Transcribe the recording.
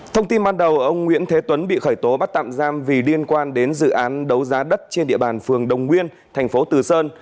thông tin ban đầu ông nguyễn thế tuấn bị khởi tố bắt tạm giam vì liên quan đến dự án đấu giá đất trên địa bàn phường đồng nguyên thành phố từ sơn